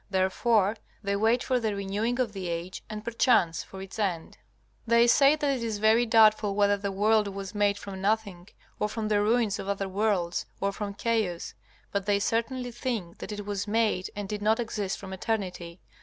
Therefore they wait for the renewing of the age, and perchance for its end. They say that it is very doubtful whether the world was made from nothing, or from the ruins of other worlds, or from chaos, but they certainly think that it was made, and did not exist from eternity.